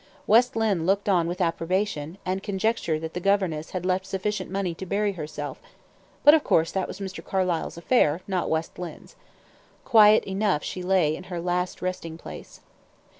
West Lynne looked on with approbation, and conjectured that the governess had left sufficient money to bury herself; but, of course, that was Mr. Carlyle's affair, not West Lynne's. Quiet enough lay she in her last resting place.